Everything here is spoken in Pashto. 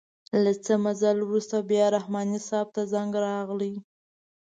له څه مزل وروسته بیا رحماني صیب ته زنګ راغئ.